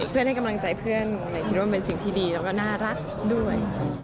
ให้กำลังใจเพื่อนคิดว่ามันเป็นสิ่งที่ดีแล้วก็น่ารักด้วย